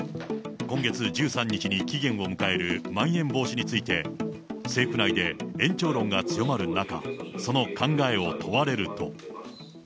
今月１３日に期限を迎えるまん延防止について、政府内で延長論が強まる中、その考えを問われると。